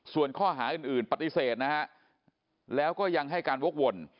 ส่วนข้อหาอื่นปฏิเสธนะฮะแล้วก็ยังให้การวกวน